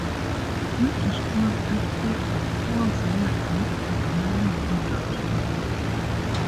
He described it as a "poor village" with a whaling industry.